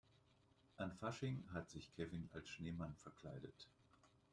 An Fasching hat sich Kevin als Schneemann verkleidet.